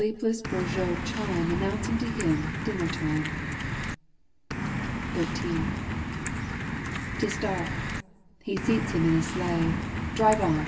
epless Breguet chime ^ Announcing to him dinner time. XIII. 'Tis dark. He seats him in a sleigh, " Drive on